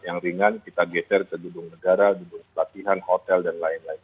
yang ringan kita geser ke gedung negara gedung pelatihan hotel dan lain lain